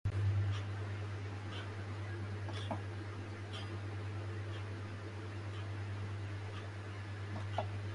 These insects live among herbaceous plants feeding on sap.